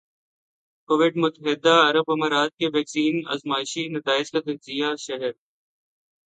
Covid متحدہ عرب امارات کے ویکسین آزمائشی نتائج کا تجزیہ شر